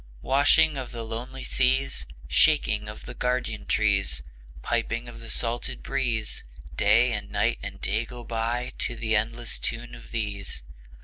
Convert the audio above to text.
Washing of the lonely seas, Shaking of the guardian trees, Piping of the salted breeze; Day and Night and Day go by To the endless tune of these.